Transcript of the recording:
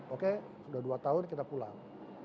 oke sudah dua tahun kita pulang